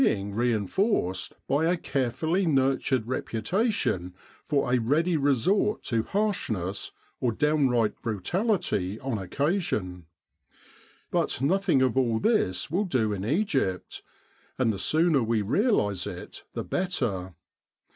The Egyptian Labour Corps reinforced by a carefully nurtured reputation for a ready resort to harshness, or downight brutality, on occasion. But nothing of all this will do in Egypt, and the sooner we realise it the better.